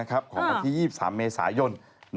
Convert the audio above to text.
ของพระอาทิตย์๒๓เมษายน